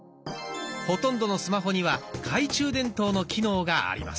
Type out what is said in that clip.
ほとんどのスマホには懐中電灯の機能があります。